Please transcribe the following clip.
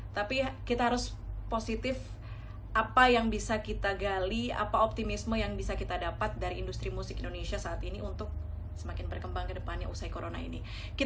tapi kita harus positif apa yang bisa kita gali apa optimisme yang bisa kita dapat dari industri musik indonesia saat ini untuk semakin berkembang ke depannya usai corona ini